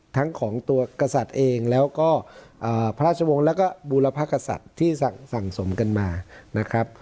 ทั้งของตัวกษัตริย์เองแล้วก็พระราชวงศ์แล้วก็บูรพกษัตริย์ที่สั่งสมกันมานะครับ